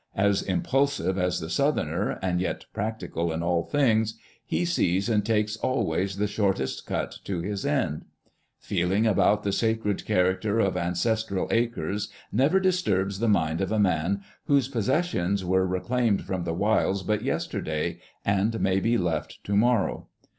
As impulsive as the Southerner, and yet practical in all things, he sees and takes always the short cut to his end. Peeling about the sacred character of ancestral acres never disturbs the mind of a man whose posses sions were reclaimed from the wilds but yester day, and may be left to morrow.